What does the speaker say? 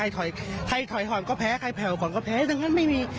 ถ่อยใครไหนก็แพ้หากไอย่ปล่อยกันก็แพ้ดังนั้นไม่มี